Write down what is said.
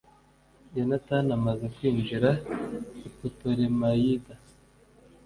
yonatani amaze kwinjira i putolemayida